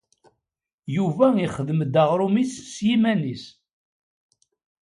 Yuba ixeddem-d aɣṛum-is s yiman-is.